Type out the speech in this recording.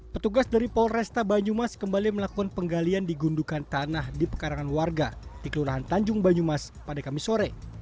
petugas dari polresta banyumas kembali melakukan penggalian di gundukan tanah di pekarangan warga di kelurahan tanjung banyumas pada kamis sore